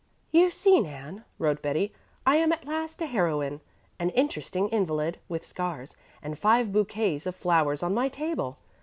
"You see, Nan," wrote Betty, "I am at last a heroine, an interesting invalid, with scars, and five bouquets of flowers on my table.